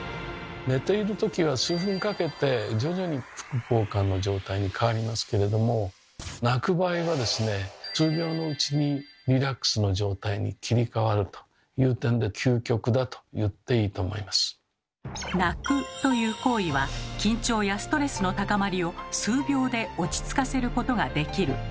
寝ているときは数分かけて徐々に副交感の状態に変わりますけれども泣く場合はですね数秒のうちにリラックスの状態に切り替わるという点で「泣く」という行為は緊張やストレスの高まりを数秒で落ち着かせることができる。